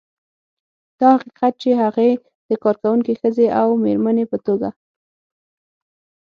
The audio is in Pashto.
دا حقیقت چې هغې د کارکونکې ښځې او مېرمنې په توګه